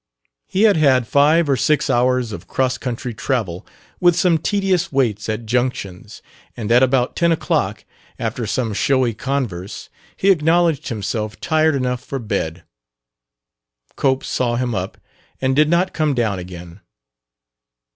He had had five or six hours of cross country travel, with some tedious waits at junctions, and at about ten o'clock, after some showy converse, he acknowledged himself tired enough for bed. Cope saw him up, and did not come down again.